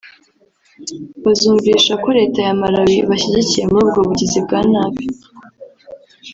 bazumvisha ko Leta ya Malawi ibashyigikiye muri ubwo bugizi bwa nabi